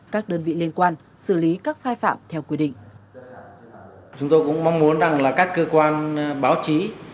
các đơn vị liên quan xử lý các sai phạm theo quy định